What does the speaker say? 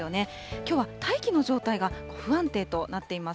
きょうは大気の状態が不安定となっています。